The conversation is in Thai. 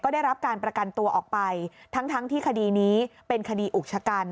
ได้รับการประกันตัวออกไปทั้งที่คดีนี้เป็นคดีอุกชะกัน